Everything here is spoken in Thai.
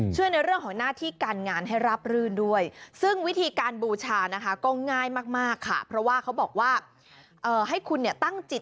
ช่วยในเรื่องของหน้าที่การงานให้รับรื่นด้วย